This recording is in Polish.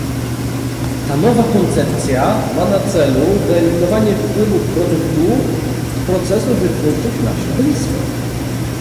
Ta nowa koncepcja ma na celu wyeliminowanie wpływu produktów i procesów wytwórczych na środowisko